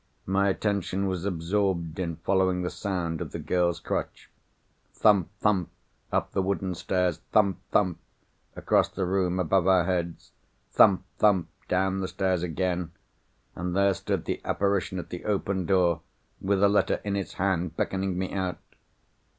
My attention was absorbed in following the sound of the girl's crutch. Thump thump, up the wooden stairs; thump thump across the room above our heads; thump thump down the stairs again—and there stood the apparition at the open door, with a letter in its hand, beckoning me out!